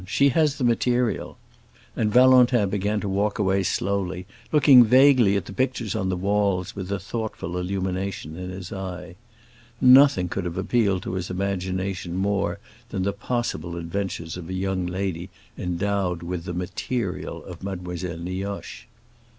She has the material." And Valentin began to walk away slowly, looking vaguely at the pictures on the walls, with a thoughtful illumination in his eye. Nothing could have appealed to his imagination more than the possible adventures of a young lady endowed with the "material" of Mademoiselle Nioche.